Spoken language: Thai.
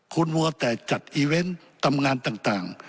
คุณมัวแต่จัดอีเวนต์ตำงานต่าง